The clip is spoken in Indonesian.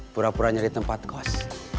pura pura nyari tempat kos